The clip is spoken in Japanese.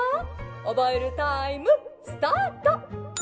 おぼえるタイムスタート！」。